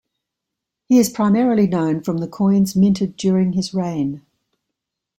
He is primarily known from the coins minted during his reign.